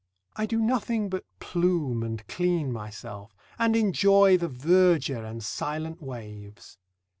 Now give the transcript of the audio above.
I do nothing but plume and clean myself, and enjoy the verdure and silent waves.